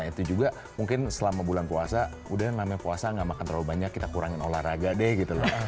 nah itu juga mungkin selama bulan puasa udah namanya puasa gak makan terlalu banyak kita kurangin olahraga deh gitu loh